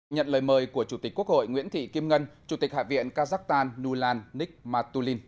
nhận lời mời của chủ tịch quốc hội nguyễn thị kim ngân chủ tịch hạ viện kazakhstan nulan nikmatulin